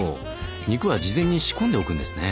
肉は事前に仕込んでおくんですね。